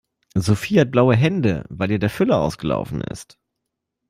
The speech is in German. Sophie hat blaue Hände, weil ihr der Füller ausgelaufen ist.